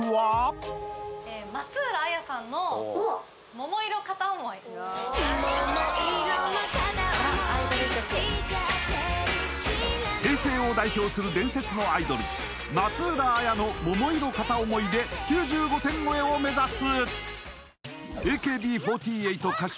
桃色の片想いしちゃってる平成を代表する伝説のアイドル松浦亜弥の「桃色片想い」で９５点超えを目指す！